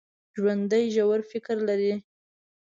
ژوندي ژور فکر لري